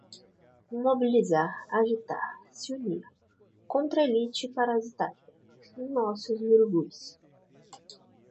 Mobilizar, agitar, se unir, contra a elite parasitária, nossos urubus